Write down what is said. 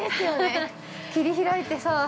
◆切り開いてさ。